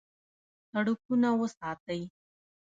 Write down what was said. سړکونه وساتئ